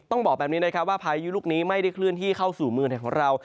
บอกแบบนี้นะครับว่าพายุลูกนี้ไม่ได้เคลื่อนที่เข้าสู่เมืองไทยของเรา